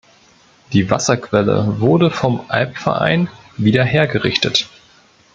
Die Wasserquelle wurde vom Albverein wieder hergerichtet.